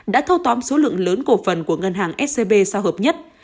đã thâu tóm số lượng lớn cổ phần của ngân hàng scb sao hợp nhất